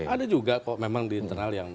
ada juga kok memang di internal yang